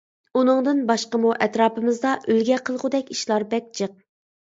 ئۇنىڭدىن باشقىمۇ ئەتراپىمىزدا ئۈلگە قىلغۇدەك ئىشلا بەك جىق!